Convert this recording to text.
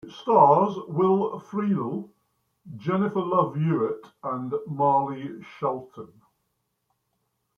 It stars Will Friedle, Jennifer Love Hewitt, and Marley Shelton.